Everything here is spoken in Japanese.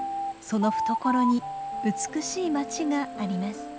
その懐に美しい町があります。